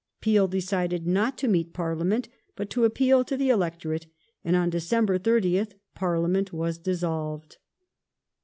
Peel decided not to meet Parliament, but to appeal to the electorate, and on December 30th Parliament was dissolved.